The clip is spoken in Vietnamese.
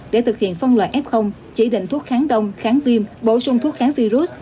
để thực hiện phân loại f chỉ định thuốc kháng đông kháng viêm bổ sung thuốc kháng virus